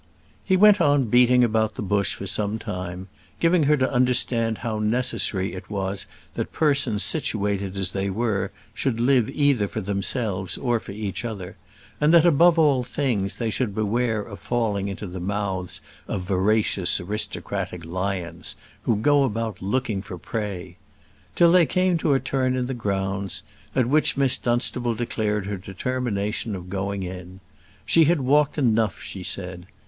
He went on beating about the bush for some time giving her to understand how necessary it was that persons situated as they were should live either for themselves or for each other, and that, above all things, they should beware of falling into the mouths of voracious aristocratic lions who go about looking for prey till they came to a turn in the grounds; at which Miss Dunstable declared her determination of going in. She had walked enough, she said.